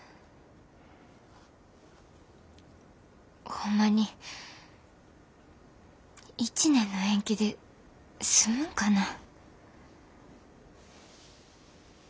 ホンマに１年の延期で済むんかなぁ。